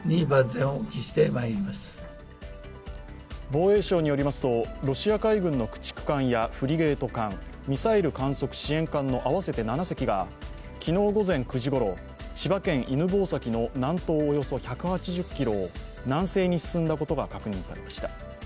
防衛省によりますと、ロシア海軍の駆逐艦やフリゲート艦、ミサイル観測支援艦の合わせて７隻が昨日午前９時ごろ、千葉県犬吠埼の南東およそ１８０ｋｍを南西に進んだことが確認されました。